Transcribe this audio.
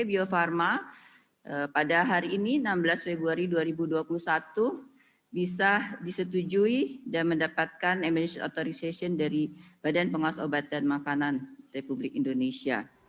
bio farma pada hari ini enam belas februari dua ribu dua puluh satu bisa disetujui dan mendapatkan emergenc authorization dari badan pengawas obat dan makanan republik indonesia